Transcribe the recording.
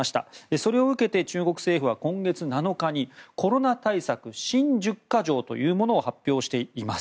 それを受けて中国政府は今月７日にコロナ対策新１０か条というものを発表しています。